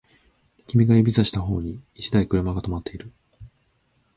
君が指差した方に一台車が止まっている